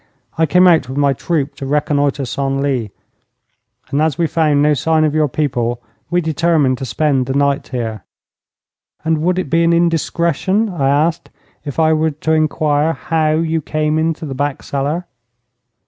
'I came out with my troop to reconnoitre Senlis, and as we found no sign of your people we determined to spend the night here.' 'And would it be an indiscretion,' I asked, 'if I were to inquire how you came into the back cellar?'